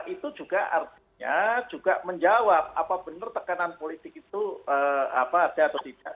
itu juga artinya juga menjawab apa benar tekanan politik itu apa ada atau tidak